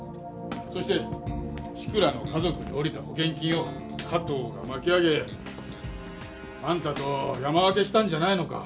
そして志倉の家族におりた保険金を加藤が巻き上げあんたと山分けしたんじゃないのか？